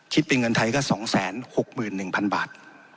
คิดเป็นเงินไทยก็๒๖๑๐๐๐บาท